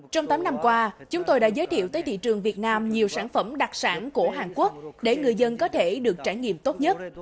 trong tám năm qua chúng tôi đã giới thiệu tới thị trường việt nam nhiều sản phẩm đặc sản của hàn quốc để người dân có thể được trải nghiệm tốt nhất